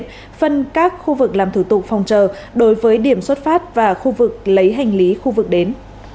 phân các khu vực làm thủ tục phòng chờ đối với điểm xuất phát và khu vực lấy hành lý khu vực đến